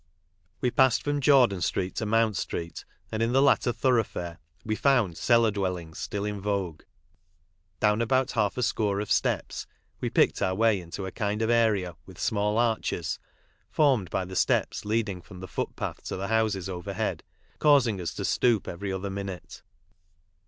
.; v e passed from Jordan street to Mount street, and m the latter thoroughfare we found cellar dwellings still in vogue. Down about half a score of steps we picked our way into a kind of area, with small arches, formed by the steps leading from the foot path to the houses over head, causing us to stoop every other minute.